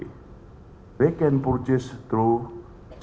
mereka bisa membeli melalui